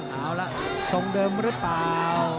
เอาละทรงเดิมหรือเปล่า